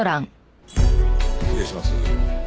失礼します。